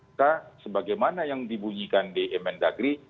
kita sebagaimana yang dibunyikan di mn dagri